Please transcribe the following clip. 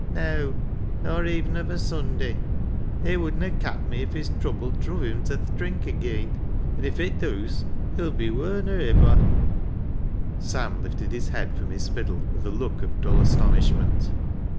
Neaw, nor even of a Sunday. It wodna cap me if his trubbel druv him ta th' drink ageean ; an' if it dooas, he'll be wur nor iver." Sam lifted his head from his fiddle with a look of dull astonishment.